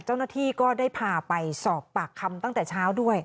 เจ้าหน้าที่ก็ได้พาไปสอบปากคำตั้งแต่เช้าด้วย